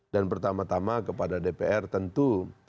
dan pertama tama kepada dpr tentu